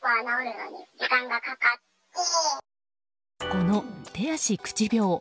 この手足口病。